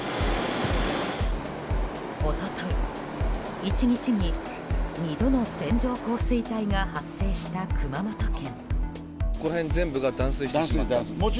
一昨日、１日に２度の線状降水帯が発生した熊本県。